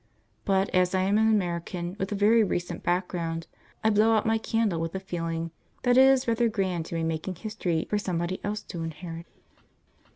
But as I am an American with a very recent background, I blow out my candle with the feeling that it is rather grand to be making history for somebody else to inherit.